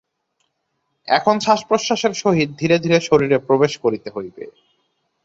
এখন শ্বাসপ্রশ্বাসের সহিত ধীরে ধীরে শরীরে প্রবেশ করিতে হইবে।